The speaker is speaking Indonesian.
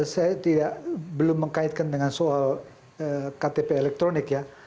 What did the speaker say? saya belum mengkaitkan dengan soal ktp elektronik ya